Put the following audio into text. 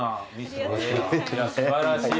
素晴らしい。